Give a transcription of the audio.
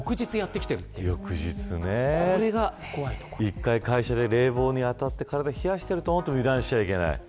１回、会社で冷房に当たって体を冷やしていると思っても油断しちゃいけない。